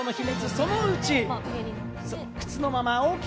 その１、靴のままＯＫ